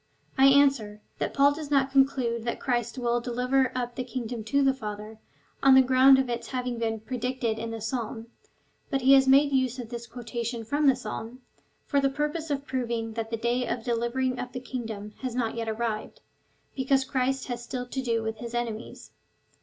I answer, that Paul does not conclude that Christ will deliver up the kingdom to the Father, on the ground of its having been so predicted in the Psalm, but he has made use of this quotation from the Psalm, for the pur pose of proving that the day of delivering up the kingdom had not yet arrived, because Christ has still to do with his enemies.